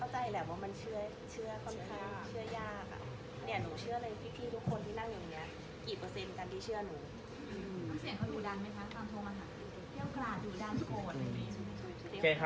ถ้ามีคนใบที่เดียวกันกับเรา